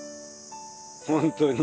本当に。